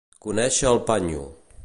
Conèixer el «panyo».